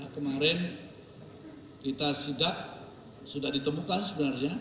kemarin kita sudah ditemukan sebenarnya